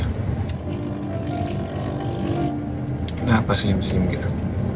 kenapa senyum senyum gitu